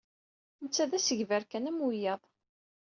Netta d asegbar kan am wiyaḍ.